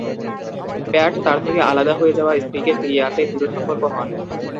প্যাট তার থেকে আলাদা হয়ে যাওয়া স্ত্রীকে ফিরিয়ে আনতে দৃঢ়-সংকল্প হন।